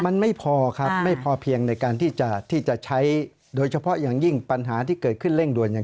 มันไม่พอครับไม่พอเพียงในการที่จะใช้โดยเฉพาะอย่างยิ่งปัญหาที่เกิดขึ้นเร่งด่วนเนี่ย